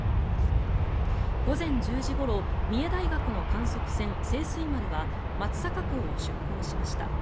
午前１０時ごろ三重大学の観測船「勢水丸」は松阪港を出港しました。